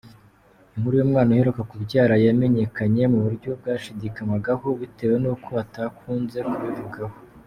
Inkuru y’umwana aheruka kubyara yamenyekanye mu buryo bwashidikanywagaho bitewe n’uko atakunze kubivugaho.